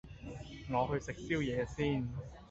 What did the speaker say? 我去食宵夜先